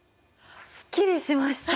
すっきりしました！